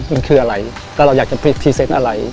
มันคืออะไรก็เราอยากจะปิดพรีเซนต์อะไร